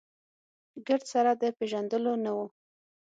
ګرد سره د پېژندلو نه و.